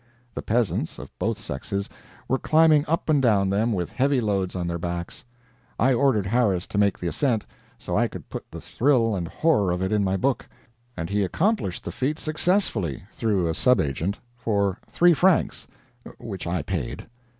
The peasants, of both sexes, were climbing up and down them, with heavy loads on their backs. I ordered Harris to make the ascent, so I could put the thrill and horror of it in my book, and he accomplished the feat successfully, through a subagent, for three francs, which I paid.